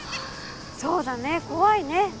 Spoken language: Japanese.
そうだね怖いね。